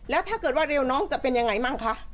แล้วถ้าเกิดว่าเร็วน้องจะเป็นยังไงมั่งคะ